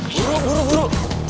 buru buru buru